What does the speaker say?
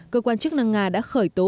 cơ quan chức năng nga đã khởi tố